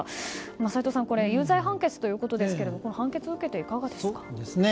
齋藤さん有罪判決ということですが判決を受けて、いかがですか？